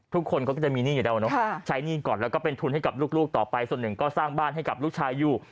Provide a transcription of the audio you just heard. ทุกคนเขาก็จะมีหนี้อยู่แล้วเนอะใช้หนี้ก่อนแล้วก็เป็นทุนให้กับลูกต่อไปส่วนหนึ่งก็สร้างบ้านให้กับลูกชายอยู่